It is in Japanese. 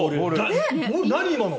何今の？